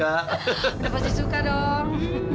udah pasti suka dong